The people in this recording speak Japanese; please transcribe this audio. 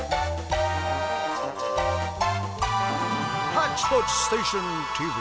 「ハッチポッチステーションＴＶ」。